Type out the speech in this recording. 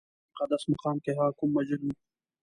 په دې مقدس مقام کې هغه کوم مسجد و؟